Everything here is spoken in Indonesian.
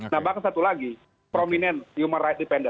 nambahkan satu lagi prominent human rights defender